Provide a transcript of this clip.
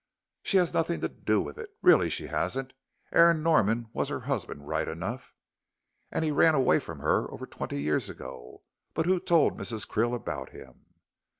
"She has nothing to do with it. Really, she hasn't. Aaron Norman was her husband right enough " "And he ran away from her over twenty years ago. But who told Mrs. Krill about him?"